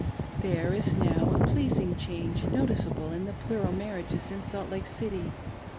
There is now a pleasing change noticeable in the plural marriages in Salt Lake City.